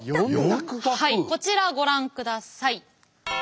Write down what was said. はいこちらご覧ください。